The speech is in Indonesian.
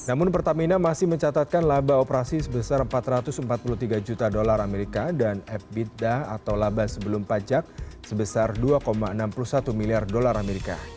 namun pertamina masih mencatatkan laba operasi sebesar empat ratus empat puluh tiga juta dolar amerika dan ebitda atau laba sebelum pajak sebesar dua enam puluh satu miliar dolar amerika